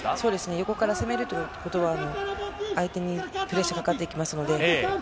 横から攻めるということは、相手にプレッシャーがかかっていきますので。